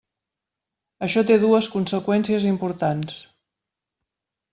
Això té dues conseqüències importants.